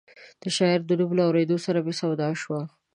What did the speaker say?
د شاعر د نوم له اورېدو سره مې سودا شوه.